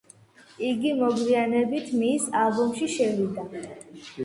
იგი მოგვიანებით მის ალბომში შევიდა.